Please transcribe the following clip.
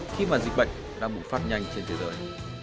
khi mà dịch bệnh đang bùng phát nhanh trên thế giới